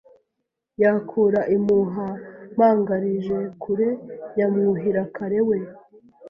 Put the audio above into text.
Yakura impuha Mpangarijekure Ya Mwuhirakare we